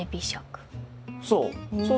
そう。